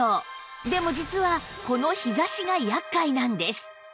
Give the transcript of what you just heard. でも実はこの日差しが厄介なんです